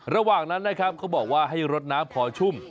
ระหว่างนั้นนะครับเขาบอกว่าให้รดน้ำพอชุ่ม